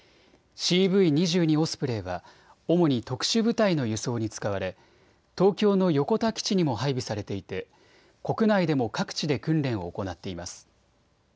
オスプレイは主に特殊部隊の輸送に使われ東京の横田基地にも配備されていて国内でも各地で訓練を行っています。